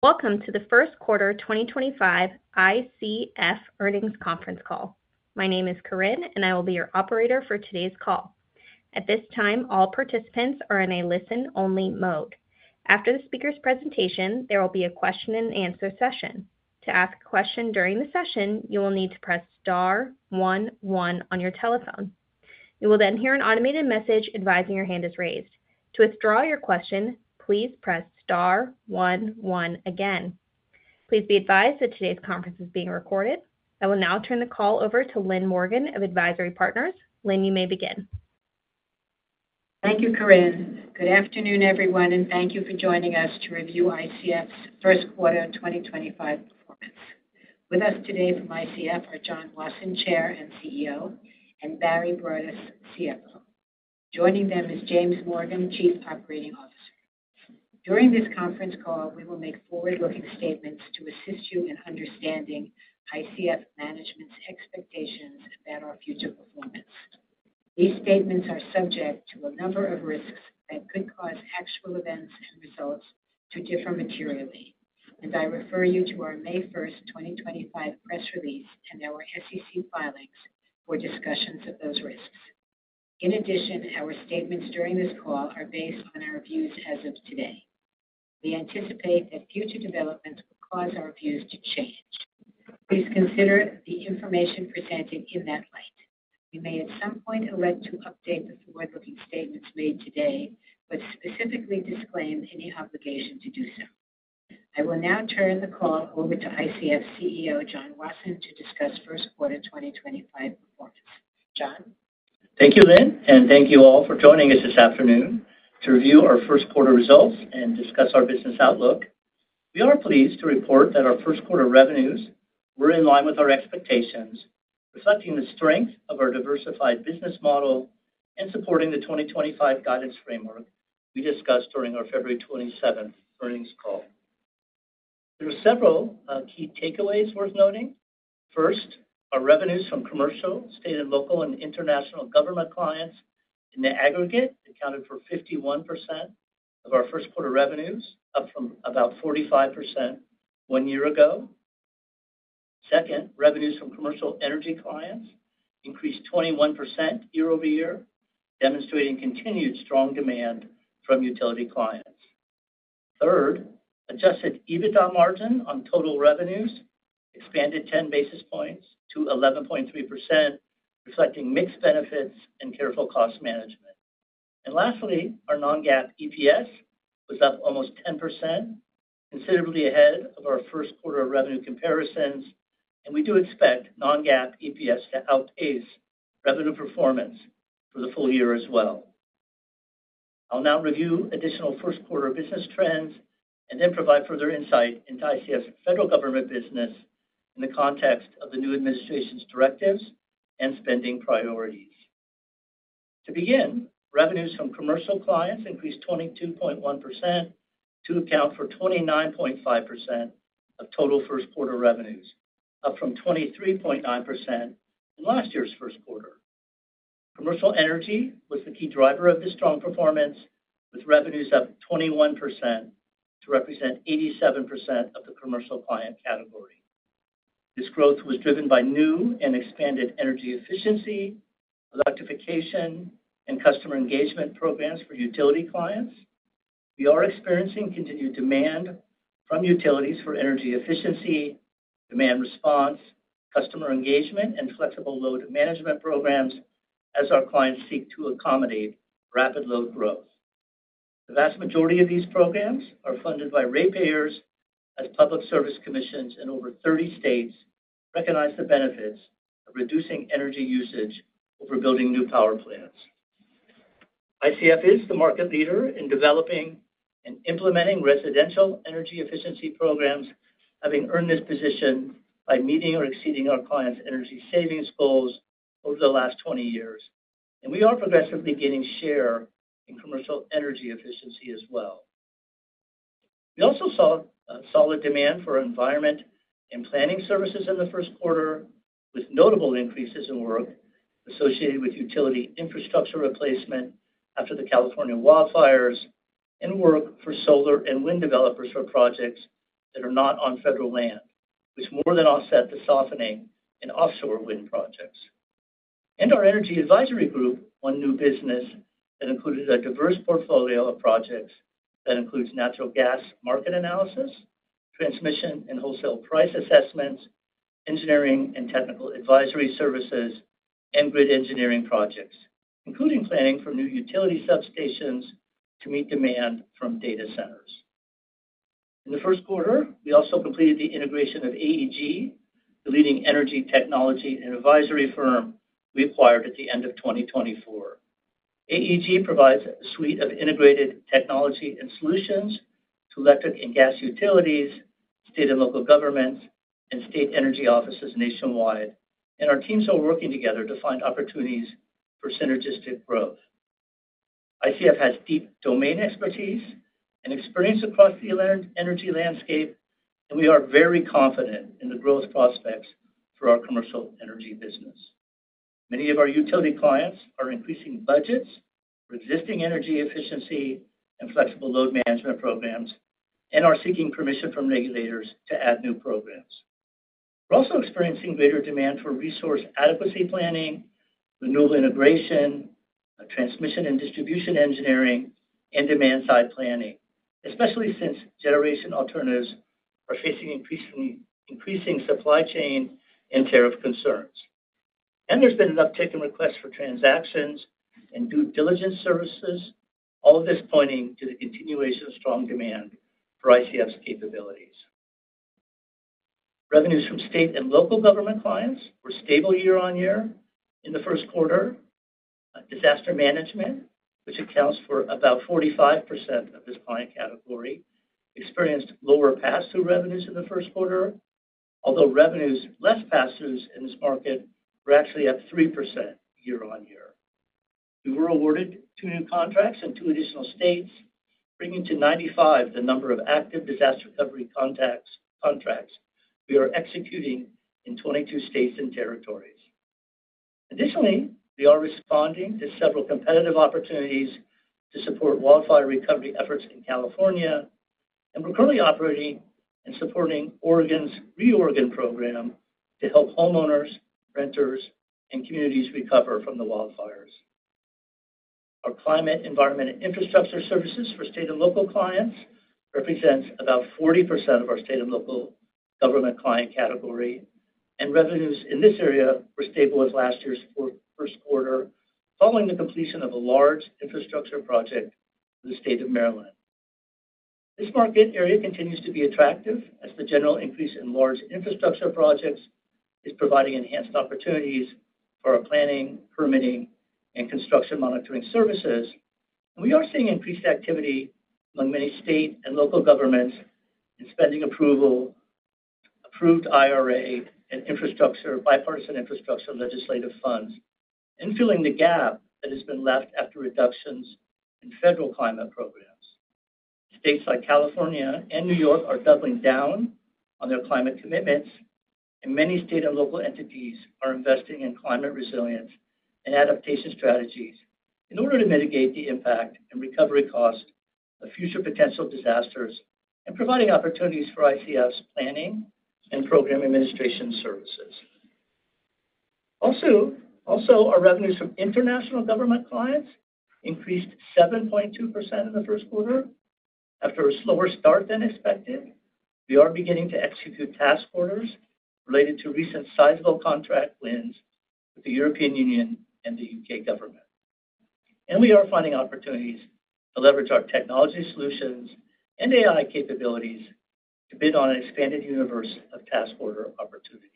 Welcome to the First Quarter 2025 ICF earnings conference call. My name is Corinne, and I will be your operator for today's call. At this time, all participants are in a listen-only mode. After the speaker's presentation, there will be a question-and-answer session. To ask a question during the session, you will need to press star one one on your telephone. You will then hear an automated message advising your hand is raised. To withdraw your question, please press star one one again. Please be advised that today's conference is being recorded. I will now turn the call over to Lynn Morgen of AdvisIRy Partners. Lynn, you may begin. Thank you, Corinne. Good afternoon, everyone, and thank you for joining us to review ICF's First Quarter 2025 performance. With us today from ICF are John Wasson, Chair and CEO, and Barry Broadus, CFO. Joining them is James Morgan, Chief Operating Officer. During this conference call, we will make forward-looking statements to assist you in understanding ICF management's expectations about our future performance. These statements are subject to a number of risks that could cause actual events and results to differ materially, and I refer you to our May 1, 2025 press release and our SEC filings for discussions of those risks. In addition, our statements during this call are based on our views as of today. We anticipate that future developments will cause our views to change. Please consider the information presented in that light. We may at some point elect to update the forward-looking statements made today, but specifically disclaim any obligation to do so. I will now turn the call over to ICF CEO John Wasson to discuss first quarter 2025 performance. John. Thank you, Lynn, and thank you all for joining us this afternoon to review our first quarter results and discuss our business outlook. We are pleased to report that our first quarter revenues were in line with our expectations, reflecting the strength of our diversified business model and supporting the 2025 guidance framework we discussed during our February 27th earnings call. There are several key takeaways worth noting. First, our revenues from commercial, state, and local and international government clients in the aggregate accounted for 51% of our first quarter revenues, up from about 45% one year ago. Second, revenues from commercial energy clients increased 21% year-over-year, demonstrating continued strong demand from utility clients. Third, adjusted EBITDA margin on total revenues expanded 10 basis points to 11.3%, reflecting mixed benefits and careful cost management. Lastly, our non-GAAP EPS was up almost 10%, considerably ahead of our first quarter revenue comparisons, and we do expect non-GAAP EPS to outpace revenue performance for the full year as well. I'll now review additional first quarter business trends and then provide further insight into ICF's federal government business in the context of the new administration's directives and spending priorities. To begin, revenues from commercial clients increased 22.1% to account for 29.5% of total first quarter revenues, up from 23.9% in last year's first quarter. Commercial energy was the key driver of this strong performance, with revenues up 21% to represent 87% of the commercial client category. This growth was driven by new and expanded energy efficiency, electrification, and customer engagement programs for utility clients. We are experiencing continued demand from utilities for energy efficiency, demand response, customer engagement, and flexible load management programs as our clients seek to accommodate rapid load growth. The vast majority of these programs are funded by ratepayers as public service commissions in over 30 states recognize the benefits of reducing energy usage over building new power plants. ICF is the market leader in developing and implementing residential energy efficiency programs, having earned this position by meeting or exceeding our clients' energy savings goals over the last 20 years, and we are progressively gaining share in commercial energy efficiency as well. We also saw solid demand for environment and planning services in the first quarter, with notable increases in work associated with utility infrastructure replacement after the California wildfires and work for solar and wind developers for projects that are not on federal land, which more than offset the softening in offshore wind projects. Our energy advisory group won new business that included a diverse portfolio of projects that includes natural gas market analysis, transmission and wholesale price assessments, engineering and technical advisory services, and grid engineering projects, including planning for new utility substations to meet demand from data centers. In the first quarter, we also completed the integration of AEG, the leading energy technology and advisory firm we acquired at the end of 2024. AEG provides a suite of integrated technology and solutions to electric and gas utilities, state and local governments, and state energy offices nationwide, and our teams are working together to find opportunities for synergistic growth. ICF has deep domain expertise and experience across the energy landscape, and we are very confident in the growth prospects for our commercial energy business. Many of our utility clients are increasing budgets for existing energy efficiency and flexible load management programs and are seeking permission from regulators to add new programs. We are also experiencing greater demand for resource adequacy planning, renewable integration, transmission and distribution engineering, and demand-side planning, especially since generation alternatives are facing increasing supply chain and tariff concerns. There has been an uptick in requests for transactions and due diligence services, all of this pointing to the continuation of strong demand for ICF's capabilities. Revenues from state and local government clients were stable year-on-year in the first quarter. Disaster management, which accounts for about 45% of this client category, experienced lower pass-through revenues in the first quarter, although revenues less pass-throughs in this market were actually up 3% year-on-year. We were awarded two new contracts in two additional states, bringing to 95 the number of active disaster recovery contracts we are executing in 22 states and territories. Additionally, we are responding to several competitive opportunities to support wildfire recovery efforts in California, and we're currently operating and supporting Oregon's ReOregon program to help homeowners, renters, and communities recover from the wildfires. Our climate, environment, and infrastructure services for state and local clients represent about 40% of our state and local government client category, and revenues in this area were stable as last year's first quarter, following the completion of a large infrastructure project for the state of Maryland. This market area continues to be attractive as the general increase in large infrastructure projects is providing enhanced opportunities for our planning, permitting, and construction monitoring services, and we are seeing increased activity among many state and local governments in spending approval, approved IRA, and bipartisan infrastructure legislative funds, and filling the gap that has been left after reductions in federal climate programs. States like California and New York are doubling down on their climate commitments, and many state and local entities are investing in climate resilience and adaptation strategies in order to mitigate the impact and recovery cost of future potential disasters and providing opportunities for ICF's planning and program administration services. Also, our revenues from international government clients increased 7.2% in the first quarter after a slower start than expected. We are beginning to execute task orders related to recent sizable contract wins with the European Union and the U.K. government, and we are finding opportunities to leverage our technology solutions and AI capabilities to bid on an expanded universe of task order opportunities.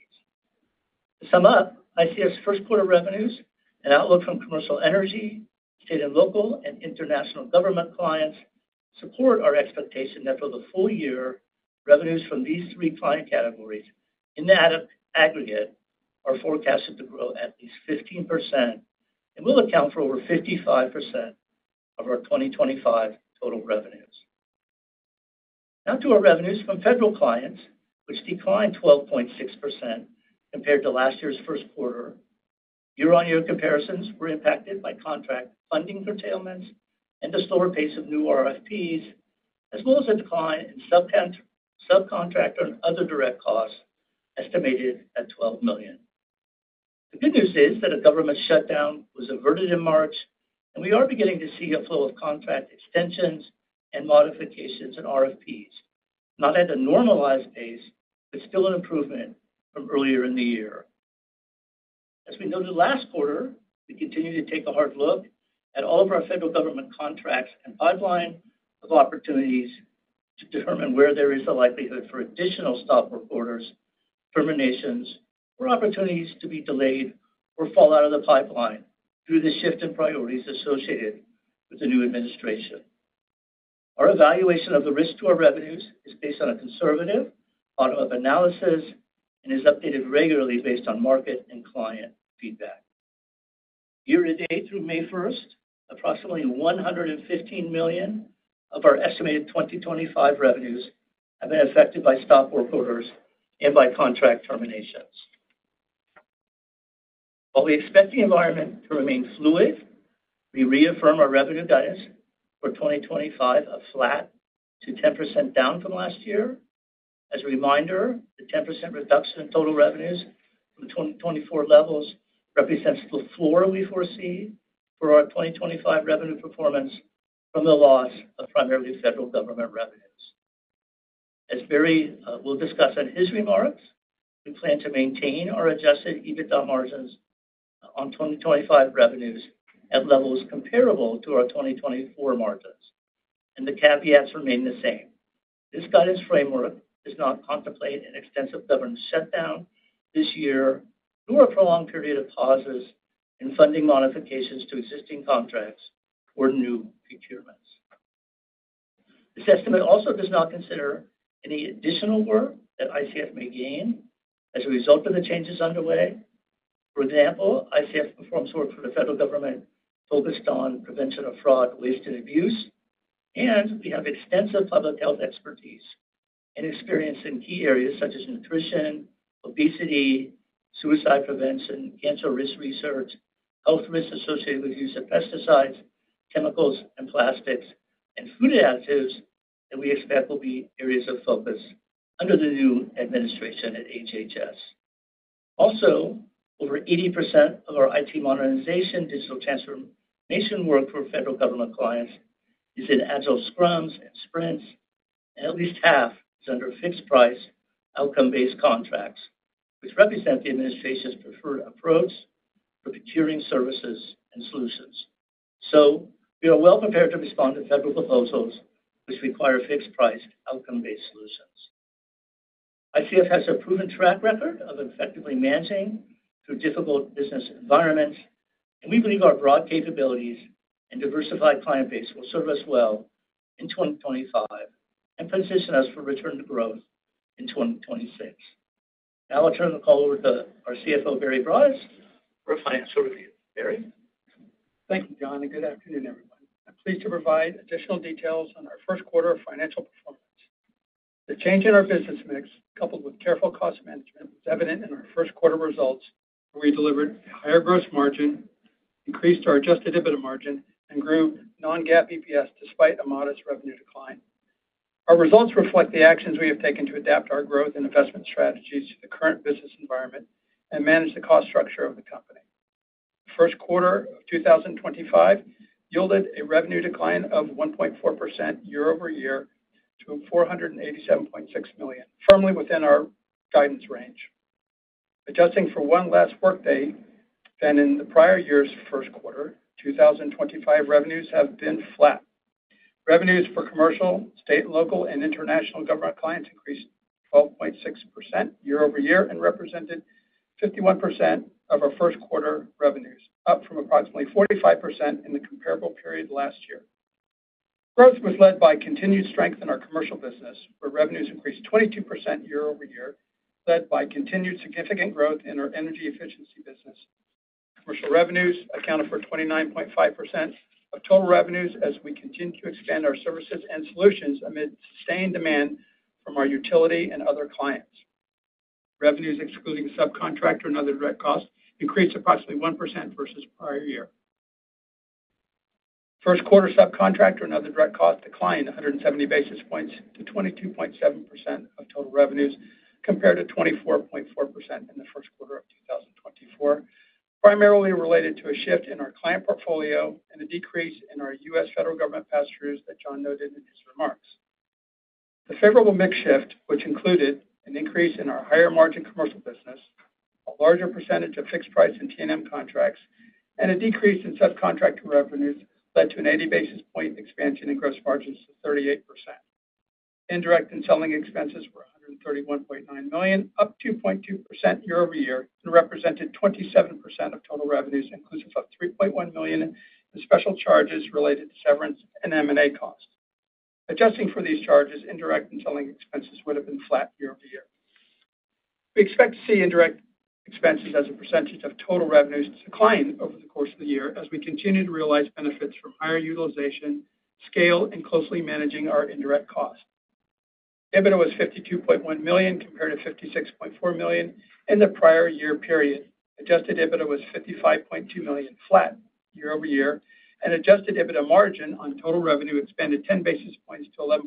To sum up, ICF's first quarter revenues and outlook from commercial energy, state and local, and international government clients support our expectation that for the full year, revenues from these three client categories in the aggregate are forecasted to grow at least 15% and will account for over 55% of our 2025 total revenues. Now to our revenues from federal clients, which declined 12.6% compared to last year's first quarter. Year-on-year comparisons were impacted by contract funding curtailments and the slower pace of new RFPs, as well as a decline in subcontractor and other direct costs estimated at $12 million. The good news is that a government shutdown was averted in March, and we are beginning to see a flow of contract extensions and modifications in RFPs, not at a normalized pace, but still an improvement from earlier in the year. As we noted last quarter, we continue to take a hard look at all of our federal government contracts and pipeline of opportunities to determine where there is a likelihood for additional stop work orders, terminations, or opportunities to be delayed or fall out of the pipeline through the shift in priorities associated with the new administration. Our evaluation of the risk to our revenues is based on a conservative bottom-up analysis and is updated regularly based on market and client feedback. Year to date, through May 1, approximately $115 million of our estimated 2025 revenues have been affected by stop work orders and by contract terminations. While we expect the environment to remain fluid, we reaffirm our revenue guidance for 2025 of flat to 10% down from last year. As a reminder, the 10% reduction in total revenues from 2024 levels represents the floor we foresee for our 2025 revenue performance from the loss of primarily federal government revenues. As Barry will discuss in his remarks, we plan to maintain our adjusted EBITDA margins on 2025 revenues at levels comparable to our 2024 margins, and the caveats remain the same. This guidance framework does not contemplate an extensive government shutdown this year nor a prolonged period of pauses in funding modifications to existing contracts or new procurements. This estimate also does not consider any additional work that ICF may gain as a result of the changes underway. For example, ICF performs work for the federal government focused on prevention of fraud, waste, and abuse, and we have extensive public health expertise and experience in key areas such as nutrition, obesity, suicide prevention, cancer risk research, health risks associated with use of pesticides, chemicals, and plastics, and food additives that we expect will be areas of focus under the new administration at HHS. Also, over 80% of our IT modernization digital transformation work for federal government clients is in Agile Scrums and Sprints, and at least half is under fixed-price outcome-based contracts, which represent the administration's preferred approach for procuring services and solutions. We are well prepared to respond to federal proposals which require fixed-price outcome-based solutions. ICF has a proven track record of effectively managing through difficult business environments, and we believe our broad capabilities and diversified client base will serve us well in 2025 and position us for return to growth in 2026. Now I'll turn the call over to our CFO, Barry Broadus, for a financial review. Barry. Thank you, John, and good afternoon, everyone. I'm pleased to provide additional details on our first quarter financial performance. The change in our business mix, coupled with careful cost management, was evident in our first quarter results, where we delivered a higher gross margin, increased our adjusted EBITDA margin, and grew non-GAAP EPS despite a modest revenue decline. Our results reflect the actions we have taken to adapt our growth and investment strategies to the current business environment and manage the cost structure of the company. The first quarter of 2025 yielded a revenue decline of 1.4% year-over-year to $487.6 million, firmly within our guidance range. Adjusting for one less workday than in the prior year's first quarter, 2025 revenues have been flat. Revenues for commercial, state and local, and international government clients increased 12.6% year-over-year and represented 51% of our first quarter revenues, up from approximately 45% in the comparable period last year. Growth was led by continued strength in our commercial business, where revenues increased 22% year-over-year, led by continued significant growth in our energy efficiency business. Commercial revenues accounted for 29.5% of total revenues as we continue to expand our services and solutions amid sustained demand from our utility and other clients. Revenues excluding subcontractor and other direct costs increased approximately 1% versus prior year. First quarter subcontractor and other direct costs declined 170 basis points to 22.7% of total revenues, compared to 24.4% in the first quarter of 2024, primarily related to a shift in our client portfolio and a decrease in our U.S. federal government pass-throughs that John noted in his remarks. The favorable mix shift, which included an increase in our higher-margin commercial business, a larger percentage of fixed-price and T&M contracts, and a decrease in subcontractor revenues, led to an 80 basis point expansion in gross margins to 38%. Indirect and selling expenses were $131.9 million, up 2.2% year-over-year, and represented 27% of total revenues, inclusive of $3.1 million in special charges related to severance and M&A costs. Adjusting for these charges, indirect and selling expenses would have been flat year-over-year. We expect to see indirect expenses as a percentage of total revenues decline over the course of the year as we continue to realize benefits from higher utilization, scale, and closely managing our indirect costs. EBITDA was $52.1 million compared to $56.4 million in the prior year period. Adjusted EBITDA was $55.2 million, flat year-over-year, and adjusted EBITDA margin on total revenue expanded 10 basis points to 11.3%.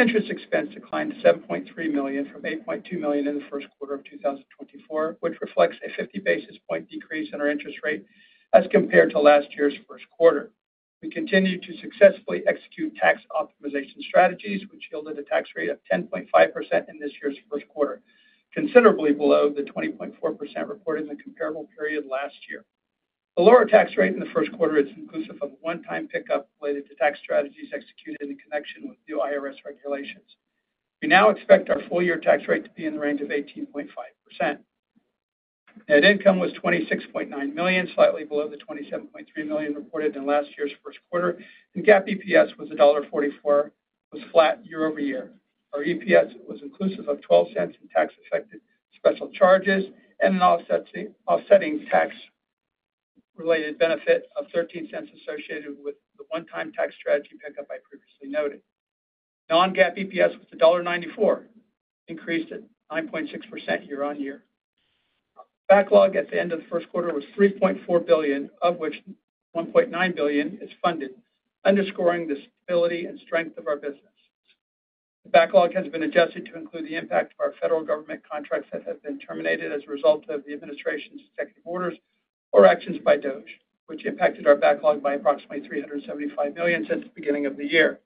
Interest expense declined to $7.3 million from $8.2 million in the first quarter of 2024, which reflects a 50 basis point decrease in our interest rate as compared to last year's first quarter. We continued to successfully execute tax optimization strategies, which yielded a tax rate of 10.5% in this year's first quarter, considerably below the 20.4% reported in the comparable period last year. The lower tax rate in the first quarter is inclusive of a one-time pickup related to tax strategies executed in connection with new IRS regulations. We now expect our full-year tax rate to be in the range of 18.5%. Net income was $26.9 million, slightly below the $27.3 million reported in last year's first quarter, and GAAP EPS was $1.44, which was flat year-over-year. Our EPS was inclusive of $0.12 in tax-affected special charges and an offsetting tax-related benefit of $0.13 associated with the one-time tax strategy pickup I previously noted. Non-GAAP EPS was $1.94, increased at 9.6% year-on-year. Backlog at the end of the first quarter was $3.4 billion, of which $1.9 billion is funded, underscoring the stability and strength of our business. The backlog has been adjusted to include the impact of our federal government contracts that have been terminated as a result of the administration's executive orders or actions by DOGE, which impacted our backlog by approximately $375 million since the beginning of the year.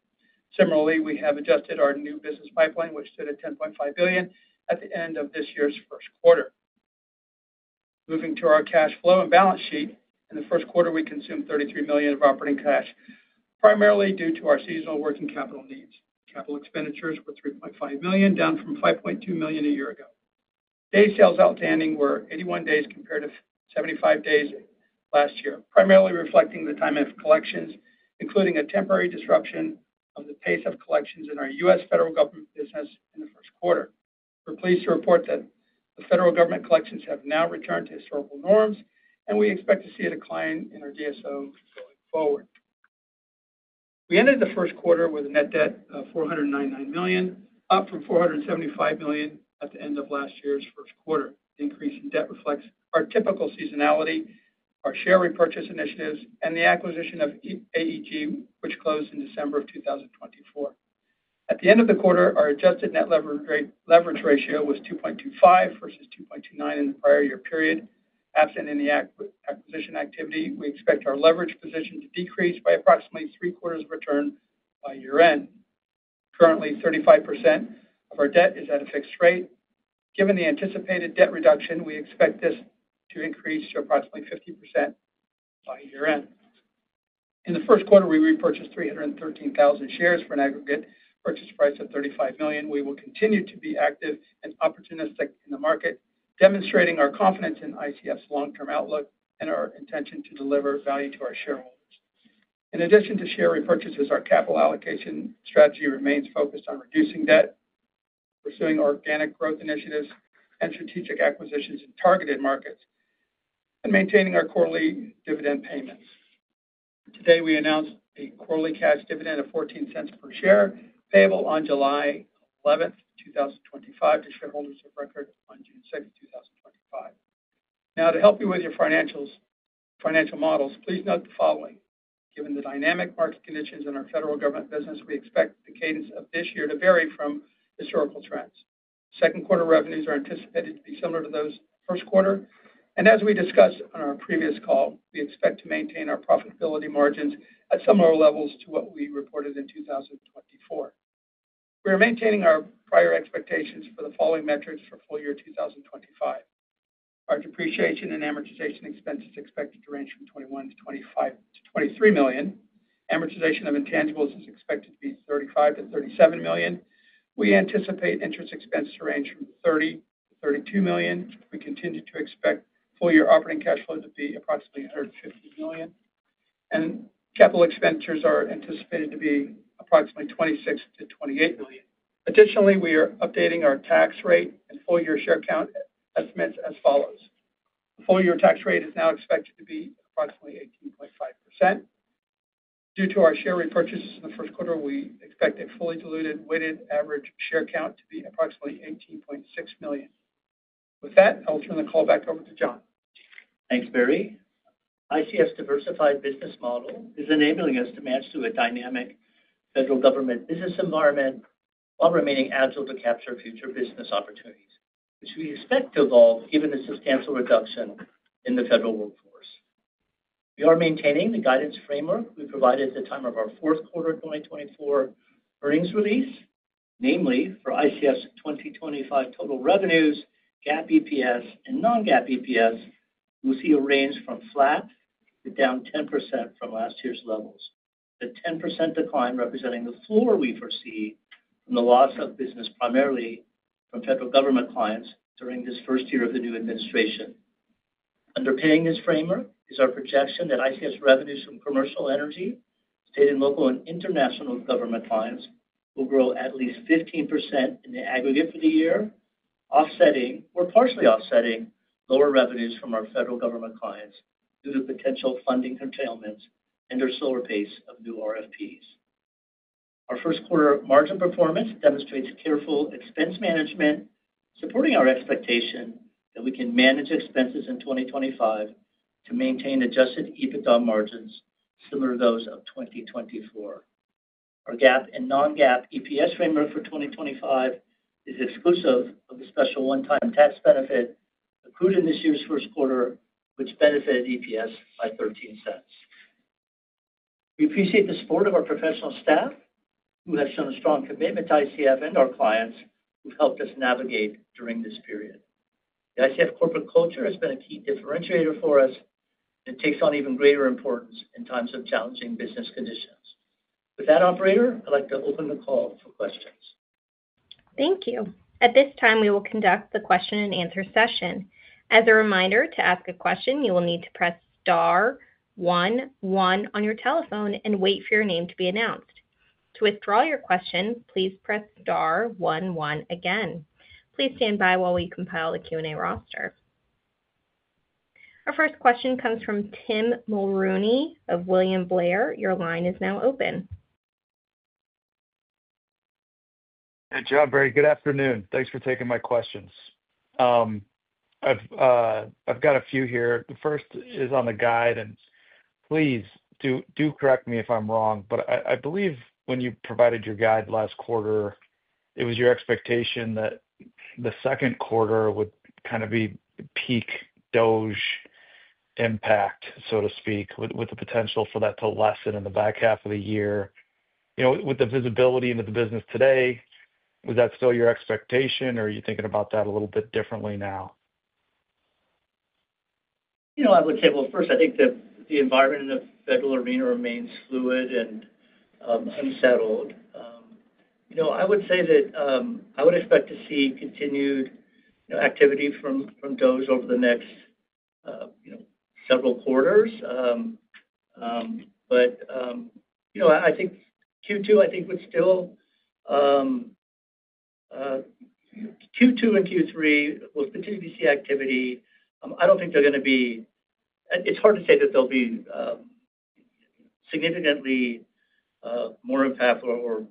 Similarly, we have adjusted our new business pipeline, which stood at $10.5 billion at the end of this year's first quarter. Moving to our cash flow and balance sheet, in the first quarter, we consumed $33 million of operating cash, primarily due to our seasonal working capital needs. Capital expenditures were $3.5 million, down from $5.2 million a year ago. Days sales outstanding were 81 days compared to 75 days last year, primarily reflecting the time of collections, including a temporary disruption of the pace of collections in our U.S. federal government business in the first quarter. We're pleased to report that the federal government collections have now returned to historical norms, and we expect to see a decline in our DSO going forward. We ended the first quarter with a net debt of $499 million, up from $475 million at the end of last year's first quarter. The increase in debt reflects our typical seasonality, our share repurchase initiatives, and the acquisition of AEG, which closed in December of 2024. At the end of the quarter, our adjusted net leverage ratio was 2.25 versus 2.29 in the prior year period. Absent any acquisition activity, we expect our leverage position to decrease by approximately three-quarters of a turn by year-end. Currently, 35% of our debt is at a fixed rate. Given the anticipated debt reduction, we expect this to increase to approximately 50% by year-end. In the first quarter, we repurchased 313,000 shares for an aggregate purchase price of $35 million. We will continue to be active and opportunistic in the market, demonstrating our confidence in ICF's long-term outlook and our intention to deliver value to our shareholders. In addition to share repurchases, our capital allocation strategy remains focused on reducing debt, pursuing organic growth initiatives, and strategic acquisitions in targeted markets, and maintaining our quarterly dividend payments. Today, we announced a quarterly cash dividend of $0.14 per share, payable on July 11th, 2025, to shareholders of record on June 6th, 2025. Now, to help you with your financial models, please note the following. Given the dynamic market conditions in our federal government business, we expect the cadence of this year to vary from historical trends. Second quarter revenues are anticipated to be similar to those first quarter, and as we discussed on our previous call, we expect to maintain our profitability margins at similar levels to what we reported in 2024. We are maintaining our prior expectations for the following metrics for full year 2025. Our depreciation and amortization expenses are expected to range from $21 million-$23 million. Amortization of intangibles is expected to be $35 million-$37 million. We anticipate interest expenses to range from $30 million-$32 million. We continue to expect full-year operating cash flow to be approximately $150 million, and capital expenditures are anticipated to be approximately $26 million-$28 million. Additionally, we are updating our tax rate and full-year share count estimates as follows. The full-year tax rate is now expected to be approximately 18.5%. Due to our share repurchases in the first quarter, we expect a fully diluted weighted average share count to be approximately 18.6 million. With that, I'll turn the call back over to John. Thanks, Barry. ICF's diversified business model is enabling us to match to a dynamic federal government business environment while remaining agile to capture future business opportunities, which we expect to evolve given the substantial reduction in the federal workforce. We are maintaining the guidance framework we provided at the time of our fourth quarter 2024 earnings release, namely for ICF's 2025 total revenues, GAAP EPS, and non-GAAP EPS, which we see a range from flat to down 10% from last year's levels. The 10% decline representing the floor we foresee from the loss of business primarily from federal government clients during this first year of the new administration. Underpinning this framework is our projection that ICF's revenues from commercial, energy, state and local, and international government clients will grow at least 15% in the aggregate for the year, offsetting or partially offsetting lower revenues from our federal government clients due to potential funding containment and our slower pace of new RFPs. Our first quarter margin performance demonstrates careful expense management, supporting our expectation that we can manage expenses in 2025 to maintain adjusted EBITDA margins similar to those of 2024. Our GAAP and non-GAAP EPS framework for 2025 is exclusive of the special one-time tax benefit accrued in this year's first quarter, which benefited EPS by $0.13. We appreciate the support of our professional staff, who have shown a strong commitment to ICF and our clients, who've helped us navigate during this period. The ICF corporate culture has been a key differentiator for us and takes on even greater importance in times of challenging business conditions. With that, Operator, I'd like to open the call for questions. Thank you. At this time, we will conduct the question-and-answer session. As a reminder, to ask a question, you will need to press star one one on your telephone and wait for your name to be announced. To withdraw your question, please press star one one again. Please stand by while we compile the Q&A roster. Our first question comes from Tim Mulrooney of William Blair. Your line is now open. Hey, John, Barry, good afternoon. Thanks for taking my questions. I've got a few here. The first is on the guide, and please do correct me if I'm wrong, but I believe when you provided your guide last quarter, it was your expectation that the second quarter would kind of be peak DOGE impact, so to speak, with the potential for that to lessen in the back half of the year. With the visibility into the business today, was that still your expectation, or are you thinking about that a little bit differently now? I would say, first, I think that the environment in the federal arena remains fluid and unsettled. I would say that I would expect to see continued activity from DOGE over the next several quarters. I think Q2, I think, would still—Q2 and Q3 will continue to see activity. I do not think they are going to be—it is hard to say that they will be significantly more impactful or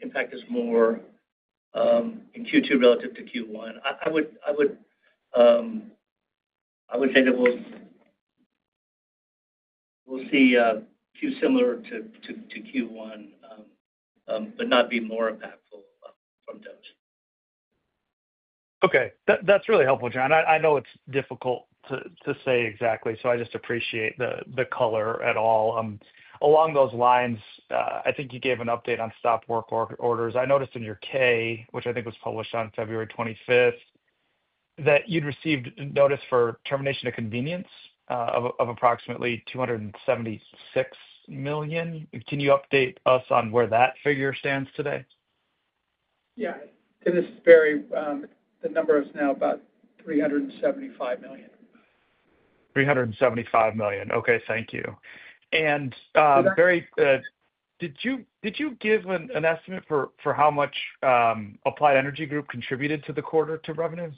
impact us more in Q2 relative to Q1. I would say that we will see Q similar to Q1, but not be more impactful from DOGE. Okay. That is really helpful, John. I know it is difficult to say exactly, so I just appreciate the color at all. Along those lines, I think you gave an update on stop work orders. I noticed in your K, which I think was published on February 25, that you had received notice for termination of convenience of approximately $276 million. Can you update us on where that figure stands today? Yeah. And this is Barry. The number is now about $375 million. $375 million. Okay. Thank you. And Barry, did you give an estimate for how much Applied Energy Group contributed to the quarter to revenues?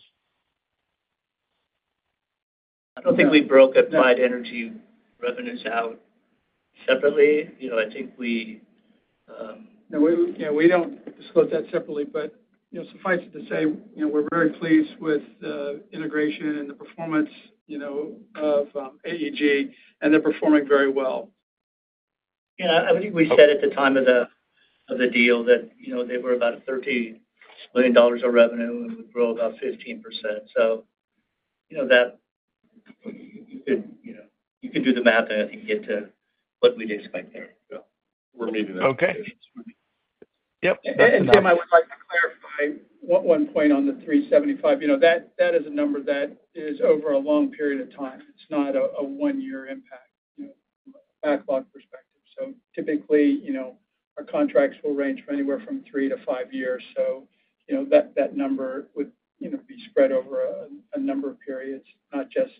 I don't think we broke Applied Energy revenues out separately. I think we— No, we don't disclose that separately, but suffice it to say we're very pleased with the integration and the performance of AEG, and they're performing very well. I believe we said at the time of the deal that they were about $30 million of revenue and would grow about 15%. So you could do the math and get to what we'd expect there. We're meeting that expectation. Yep. Tim, I would like to clarify one point on the $375 million. That is a number that is over a long period of time. It's not a one-year impact from a backlog perspective. Typically, our contracts will range from anywhere from three to five years. That number would be spread over a number of periods, not just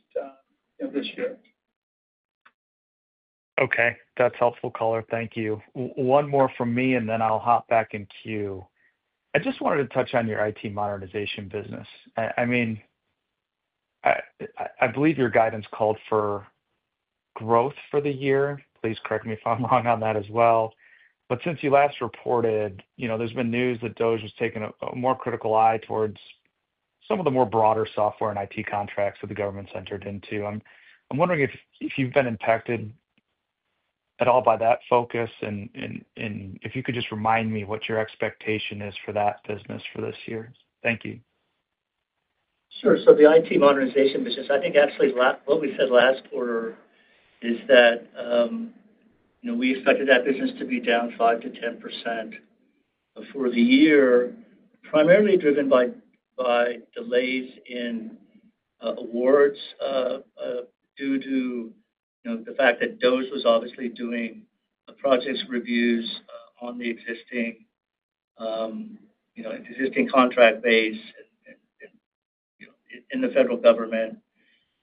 this year. Okay. That's helpful color. Thank you. One more from me, and then I'll hop back in queue. I just wanted to touch on your IT modernization business. I mean, I believe your guidance called for growth for the year. Please correct me if I'm wrong on that as well. Since you last reported, there's been news that DOGE was taking a more critical eye towards some of the more broader software and IT contracts that the government's entered into. I'm wondering if you've been impacted at all by that focus, and if you could just remind me what your expectation is for that business for this year. Thank you. Sure. The IT modernization business, I think actually what we said last quarter is that we expected that business to be down 5-10% for the year, primarily driven by delays in awards due to the fact that DOGE was obviously doing project reviews on the existing contract base in the federal government,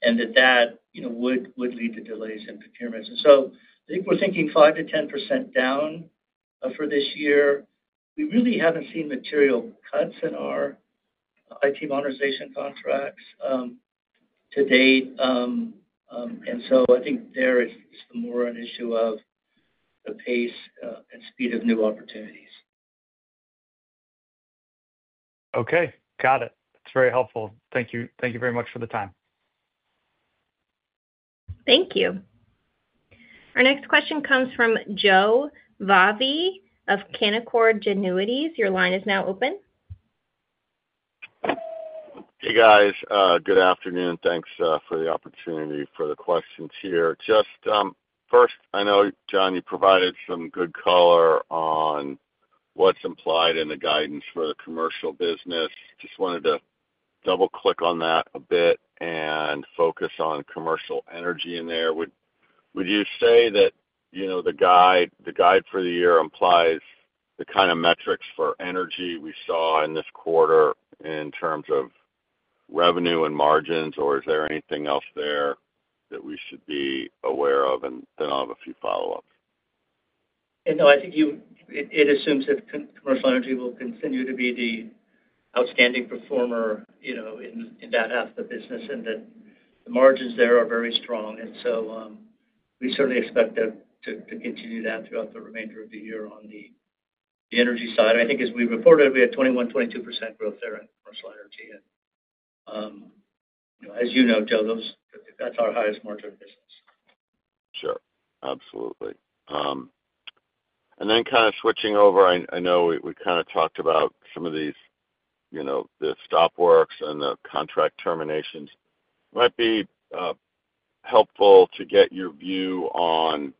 and that that would lead to delays in procurement. I think we're thinking 5-10% down for this year. We really haven't seen material cuts in our IT modernization contracts to date. I think there is more an issue of the pace and speed of new opportunities. Okay. Got it. That's very helpful. Thank you very much for the time. Thank you. Our next question comes from Joe Vafi of Canaccord Genuity. Your line is now open. Hey, guys. Good afternoon. Thanks for the opportunity for the questions here. Just first, I know, John, you provided some good color on what's implied in the guidance for the commercial business. I just wanted to double-click on that a bit and focus on commercial energy in there. Would you say that the guide for the year implies the kind of metrics for energy we saw in this quarter in terms of revenue and margins, or is there anything else there that we should be aware of? I think it assumes that commercial energy will continue to be the outstanding performer in that aspect of business and that the margins there are very strong. We certainly expect to continue that throughout the remainder of the year on the energy side. I think as we reported, we had 21%-22% growth there in commercial energy. As you know, Joe, that's our highest margin business. Sure. Absolutely. Kind of switching over, I know we kind of talked about some of the stop works and the contract terminations. It might be helpful to get your view on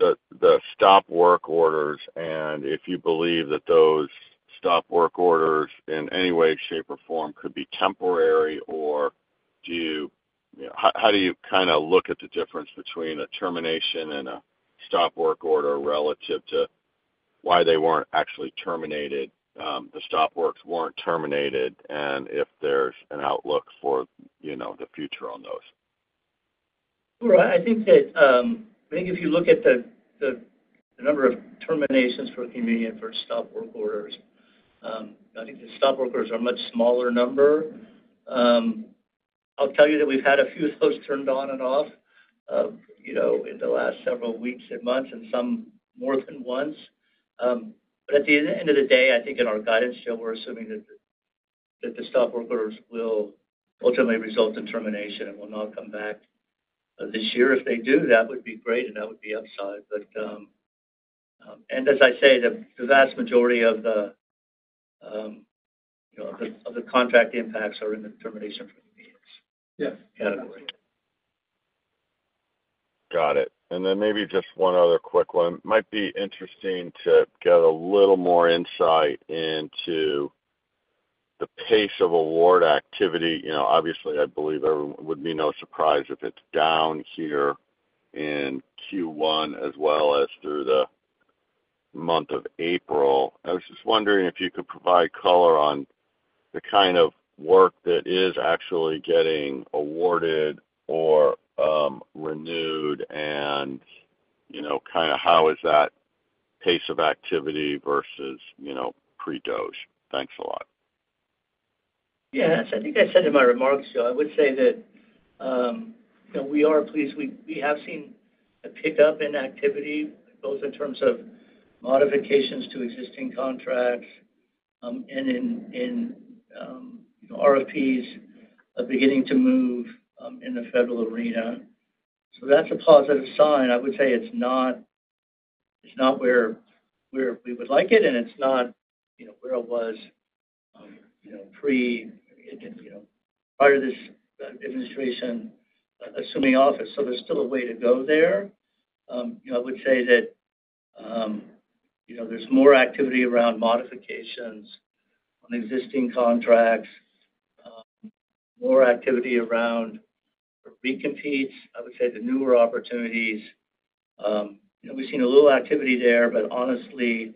the stop work orders and if you believe that those stop work orders in any way, shape, or form could be temporary or do you—how do you kind of look at the difference between a termination and a stop work order relative to why they were not actually terminated? The stop works were not terminated, and if there is an outlook for the future on those. I think that if you look at the number of terminations for convenience or stop work orders, I think the stop work orders are a much smaller number. I'll tell you that we've had a few of those turned on and off in the last several weeks and months and some more than once. At the end of the day, I think in our guidance, Joe, we're assuming that the stop work orders will ultimately result in termination and will not come back this year. If they do, that would be great, that would be upside. As I say, the vast majority of the contract impacts are in the termination for convenience category. Got it. Maybe just one other quick one. It might be interesting to get a little more insight into the pace of award activity. Obviously, I believe it would be no surprise if it's down here in Q1 as well as through the month of April. I was just wondering if you could provide color on the kind of work that is actually getting awarded or renewed and kind of how is that pace of activity versus pre-DOGE. Thanks a lot. Yes. I think I said in my remarks, Joe, I would say that we are pleased. We have seen a pickup in activity, both in terms of modifications to existing contracts and in RFPs beginning to move in the federal arena. That is a positive sign. I would say it is not where we would like it, and it is not where it was prior to this administration assuming office. There is still a way to go there. I would say that there is more activity around modifications on existing contracts, more activity around recompetes. I would say the newer opportunities, we have seen a little activity there, but honestly,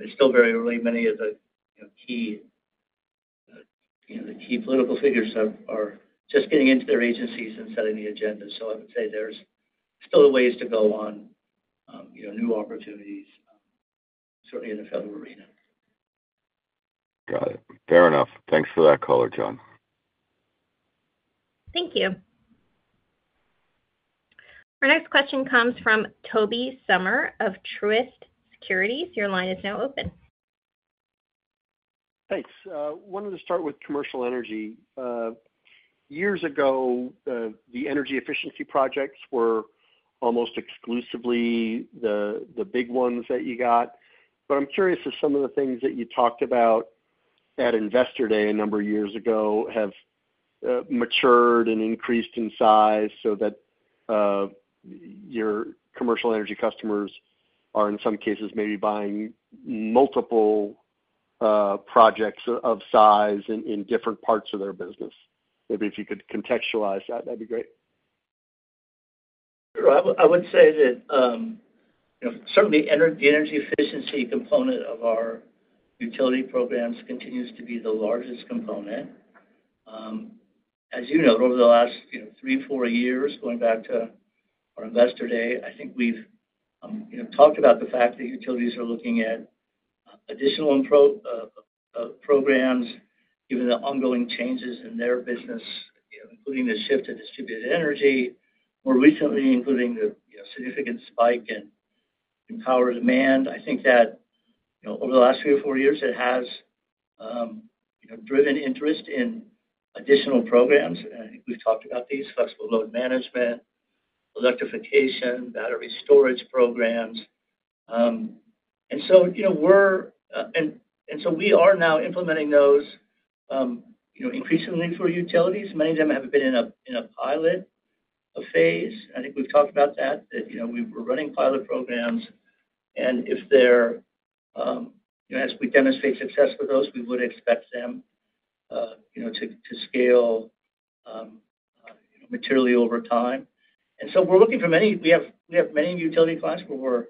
it is still very early. Many of the key political figures are just getting into their agencies and setting the agenda. I would say there's still ways to go on new opportunities, certainly in the federal arena. Got it. Fair enough. Thanks for that color, John. Thank you. Our next question comes from Tobey Sommer of Truist Securities. Your line is now open. Thanks. I wanted to start with commercial energy. Years ago, the energy efficiency projects were almost exclusively the big ones that you got. I'm curious if some of the things that you talked about at Investor Day a number of years ago have matured and increased in size so that your commercial energy customers are, in some cases, maybe buying multiple projects of size in different parts of their business. Maybe if you could contextualize that, that'd be great. I would say that certainly the energy efficiency component of our utility programs continues to be the largest component. As you know, over the last three, four years, going back to our Investor Day, I think we've talked about the fact that utilities are looking at additional programs, given the ongoing changes in their business, including the shift to distributed energy, more recently, including the significant spike in power demand. I think that over the last three or four years, it has driven interest in additional programs. I think we've talked about these: flexible load management, electrification, battery storage programs. We are now implementing those increasingly for utilities. Many of them have been in a pilot phase. I think we've talked about that, that we're running pilot programs. If they're—as we demonstrate success with those, we would expect them to scale materially over time. We have many utility clients where we're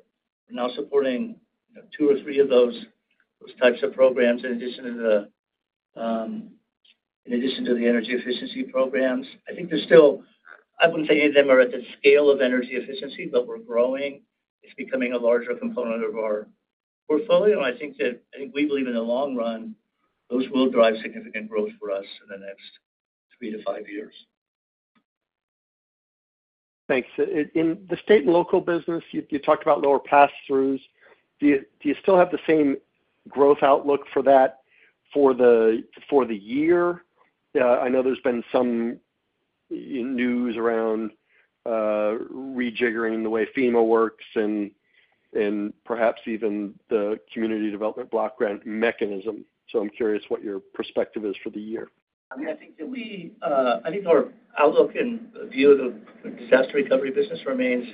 now supporting two or three of those types of programs in addition to the energy efficiency programs. I think there's still—I wouldn't say any of them are at the scale of energy efficiency, but we're growing. It's becoming a larger component of our portfolio. I think that we believe in the long run, those will drive significant growth for us in the next three to five years. Thanks. In the state and local business, you talked about lower pass-throughs. Do you still have the same growth outlook for that for the year? I know there's been some news around rejiggering the way FEMA works and perhaps even the Community Development Block Grant mechanism. I'm curious what your perspective is for the year. I mean, I think that we—I think our outlook and view of the disaster recovery business remains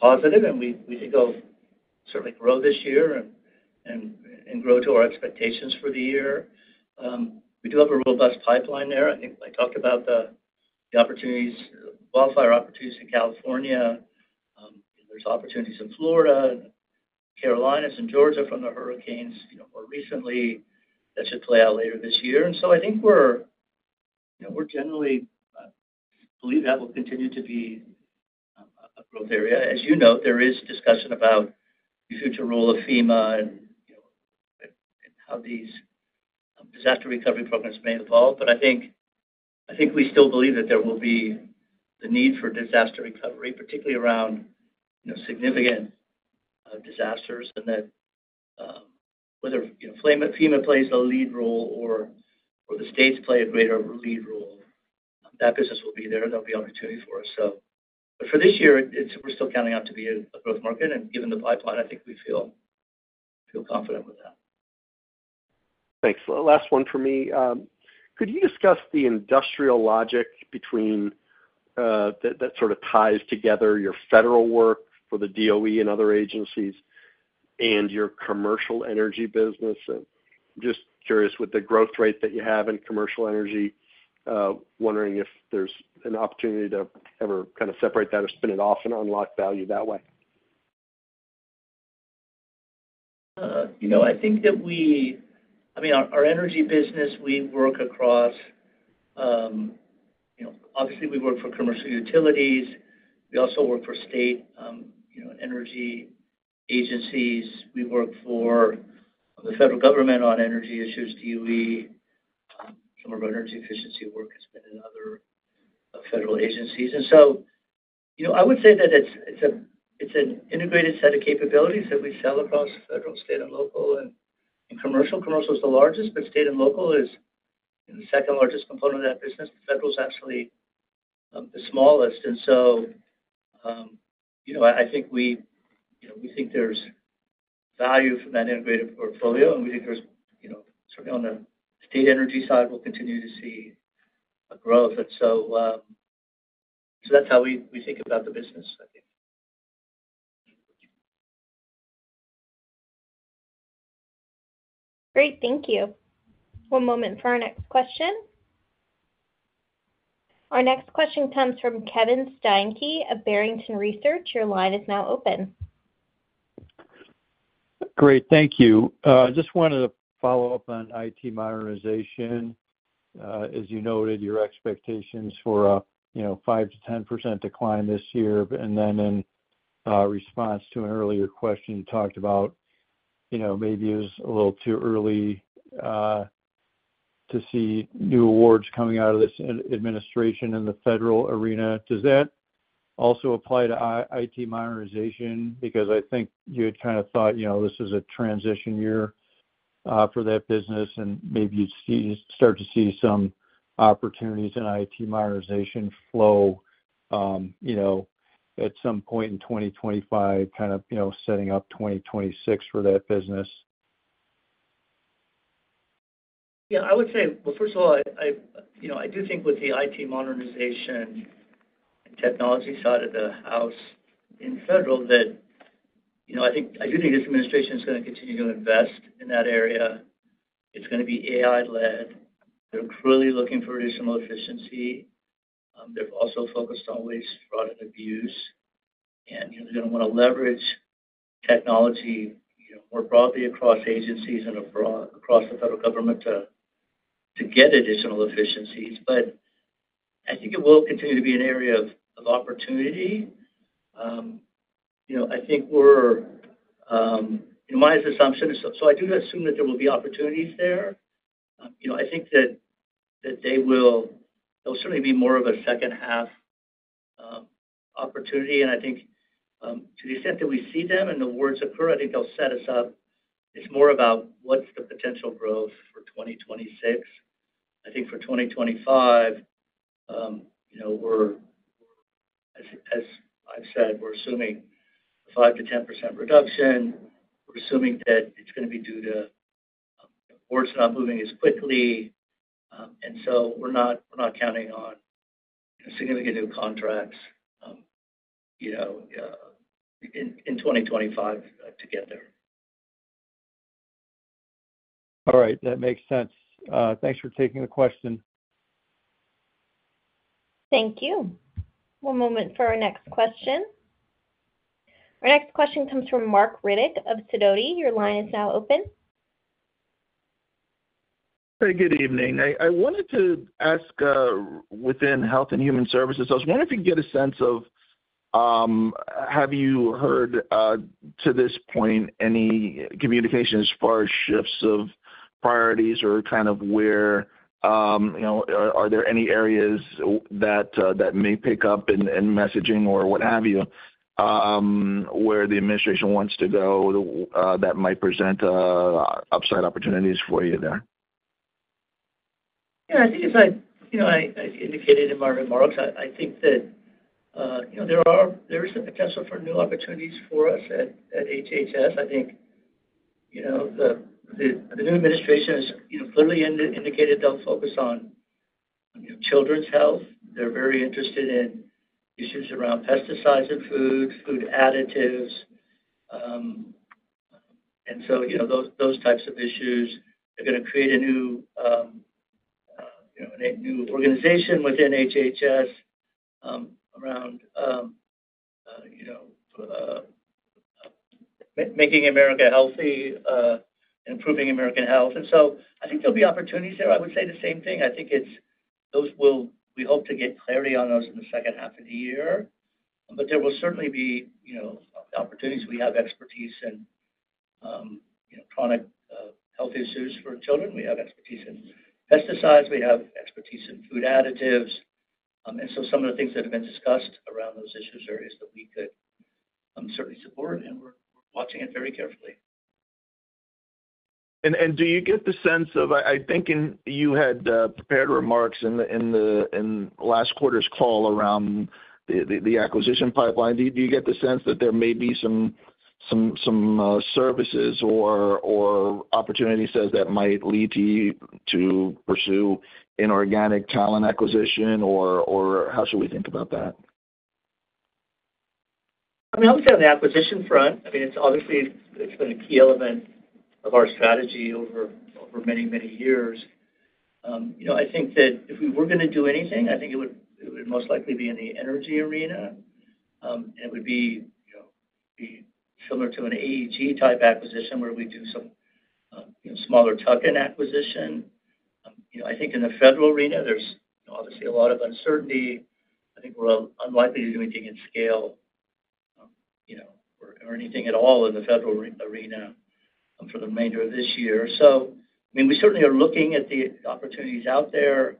positive, and we think it'll certainly grow this year and grow to our expectations for the year. We do have a robust pipeline there. I think I talked about the opportunities, wildfire opportunities in California. There's opportunities in Florida, Carolinas, and Georgia from the hurricanes more recently that should play out later this year. I think we're generally—I believe that will continue to be a growth area. As you know, there is discussion about the future role of FEMA and how these disaster recovery programs may evolve. I think we still believe that there will be the need for disaster recovery, particularly around significant disasters, and that whether FEMA plays the lead role or the states play a greater lead role, that business will be there. There'll be opportunity for us. For this year, we're still counting out to be a growth market. Given the pipeline, I think we feel confident with that. Thanks. Last one for me. Could you discuss the industrial logic that sort of ties together your federal work for the DOE and other agencies and your commercial energy business? Just curious, with the growth rate that you have in commercial energy, wondering if there's an opportunity to ever kind of separate that or spin it off and unlock value that way. I think that we—I mean, our energy business, we work across—obviously, we work for commercial utilities. We also work for state energy agencies. We work for the federal government on energy issues, DOE. Some of our energy efficiency work has been in other federal agencies. I would say that it's an integrated set of capabilities that we sell across federal, state, and local, and commercial. Commercial is the largest, but state and local is the second largest component of that business. The federal is actually the smallest. I think we think there's value from that integrated portfolio, and we think there's certainly on the state energy side, we'll continue to see a growth. That's how we think about the business, I think. Great. Thank you. One moment for our next question. Our next question comes from Kevin Steinke of Barrington Research. Your line is now open. Great. Thank you. I just wanted to follow up on IT modernization. As you noted, your expectations for a 5%-10% decline this year. In response to an earlier question, you talked about maybe it was a little too early to see new awards coming out of this administration in the federal arena. Does that also apply to IT modernization? Because I think you had kind of thought this is a transition year for that business, and maybe you'd start to see some opportunities in IT modernization flow at some point in 2025, kind of setting up 2026 for that business. Yeah. I would say, first of all, I do think with the IT modernization technology side of the house in federal, that I do think this administration is going to continue to invest in that area. It's going to be AI-led. They're really looking for additional efficiency. They've also focused on waste, fraud, and abuse. They are going to want to leverage technology more broadly across agencies and across the federal government to get additional efficiencies. I think it will continue to be an area of opportunity. My assumption is, so I do assume that there will be opportunities there. I think that they will certainly be more of a second-half opportunity. I think to the extent that we see them and the awards occur, I think they will set us up. It is more about what is the potential growth for 2026. I think for 2025, as I have said, we are assuming a 5%-10% reduction. We are assuming that it is going to be due to awards not moving as quickly. We are not counting on significant new contracts in 2025 to get there. All right. That makes sense. Thanks for taking the question. Thank you. One moment for our next question. Our next question comes from Marc Riddick of Sidoti. Your line is now open. Hey, good evening. I wanted to ask within Health and Human Services. I was wondering if you could get a sense of, have you heard to this point any communication as far as shifts of priorities or kind of where are there any areas that may pick up in messaging or what have you where the administration wants to go that might present upside opportunities for you there? Yeah. I think as I indicated in my remarks, I think that there is a potential for new opportunities for us at HHS. I think the new administration has clearly indicated they'll focus on children's health. They're very interested in issues around pesticides and foods, food additives. Those types of issues. They're going to create a new organization within HHS around making America healthy and improving American health. I think there'll be opportunities there. I would say the same thing. I think we hope to get clarity on those in the second half of the year. There will certainly be opportunities. We have expertise in chronic health issues for children. We have expertise in pesticides. We have expertise in food additives. Some of the things that have been discussed around those issues are areas that we could certainly support, and we're watching it very carefully. Do you get the sense of—I think you had prepared remarks in last quarter's call around the acquisition pipeline. Do you get the sense that there may be some services or opportunities, as that might lead you to pursue inorganic talent acquisition, or how should we think about that? I mean, I would say on the acquisition front, I mean, obviously, it's been a key element of our strategy over many, many years. I think that if we were going to do anything, I think it would most likely be in the energy arena. And it would be similar to an AEG type acquisition where we do some smaller tuck-in acquisition. I think in the federal arena, there's obviously a lot of uncertainty. I think we're unlikely to do anything at scale or anything at all in the federal arena for the remainder of this year. I mean, we certainly are looking at the opportunities out there,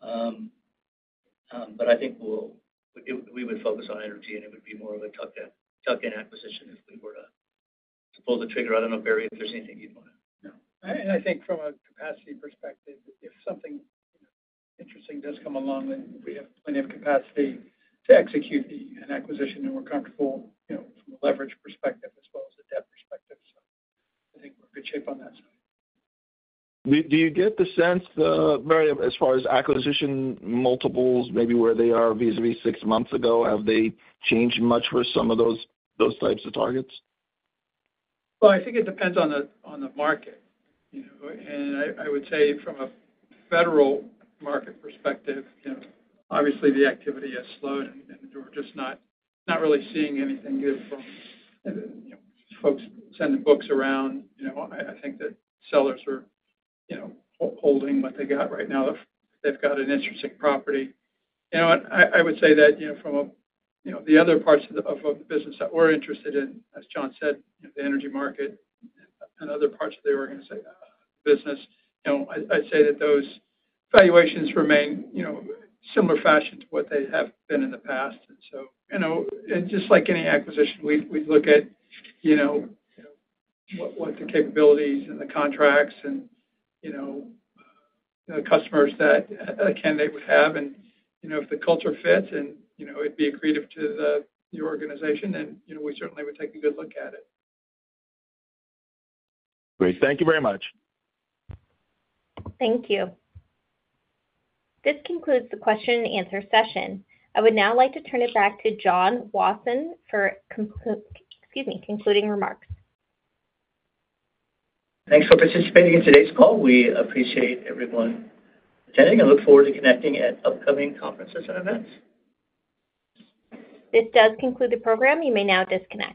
but I think we would focus on energy, and it would be more of a tuck-in acquisition if we were to pull the trigger. I don't know, Barry, if there's anything you'd want to know. I think from a capacity perspective, if something interesting does come along, then we have plenty of capacity to execute an acquisition, and we're comfortable from a leverage perspective as well as a debt perspective. I think we're in good shape on that side. Do you get the sense, Barry, as far as acquisition multiples, maybe where they are vis-à-vis six months ago? Have they changed much for some of those types of targets? I think it depends on the market. I would say from a federal market perspective, obviously, the activity has slowed, and we're just not really seeing anything good from folks sending books around. I think that sellers are holding what they got right now. They've got an interesting property. I would say that from the other parts of the business that we're interested in, as John said, the energy market and other parts of the organization business, I'd say that those valuations remain in a similar fashion to what they have been in the past. Just like any acquisition, we'd look at what the capabilities and the contracts and the customers that a candidate would have. If the culture fits and it'd be accretive to the organization, then we certainly would take a good look at it. Great. Thank you very much. Thank you. This concludes the question-and-answer session. I would now like to turn it back to John Wasson for, excuse me, concluding remarks. Thanks for participating in today's call. We appreciate everyone attending and look forward to connecting at upcoming conferences and events. This does conclude the program. You may now disconnect.